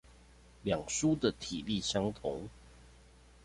兩書的體例相同